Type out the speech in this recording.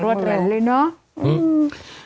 รวดแหละเลยเนาะ